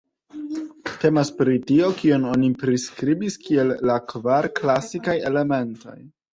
Temas pri tio, kion oni priskribis kiel la kvar klasikaj elementoj.